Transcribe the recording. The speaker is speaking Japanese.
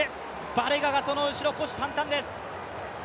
バレガがその後ろ、虎視眈々です。